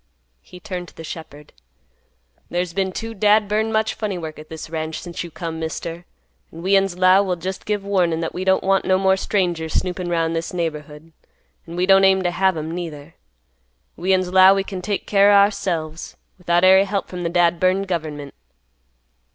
He turned to the shepherd; "There's been too dad burned much funny work, at this ranch, since you come, Mister, an' we'uns 'low we'll just give warnin' that we don't want no more strangers snoopin' 'round this neighborhood, an' we don't aim t' have 'em neither. We'uns 'low we can take care o' ourselves, without ary hep from th' dad burned government."